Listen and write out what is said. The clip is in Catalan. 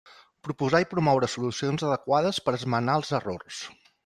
Proposar i promoure solucions adequades per a esmenar els errors.